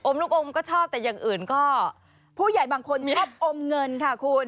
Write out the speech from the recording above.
ลูกอมก็ชอบแต่อย่างอื่นก็ผู้ใหญ่บางคนชอบอมเงินค่ะคุณ